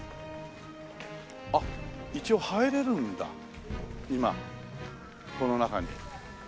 あっ一応入れるんだ今この中に。